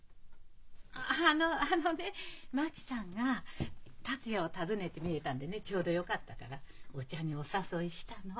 ああのね真紀さんが達也を訪ねてみえたんでねちょうどよかったからお茶にお誘いしたの。